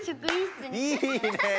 いいね！